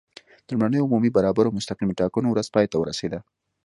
د لومړنیو عمومي، برابرو او مستقیمو ټاکنو ورځ پای ته ورسېده.